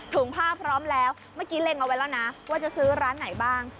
ผ้าพร้อมแล้วเมื่อกี้เล็งเอาไว้แล้วนะว่าจะซื้อร้านไหนบ้าง